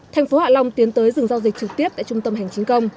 thành phố hạ long tiến tới dừng giao dịch trực tiếp tại trung tâm hành chính công